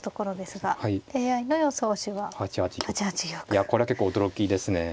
いやこれは結構驚きですね。